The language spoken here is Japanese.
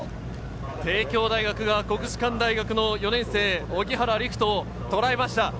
帝京大学が国士舘大学の４年生・荻原陸斗をとらえました。